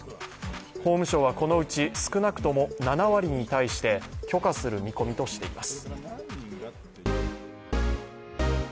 法務省はこのうち少なくとも７割に対して許可する見込みとしています。